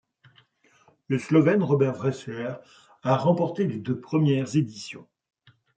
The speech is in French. Le Slovène Robert Vrečer a remporté les deux premières éditions.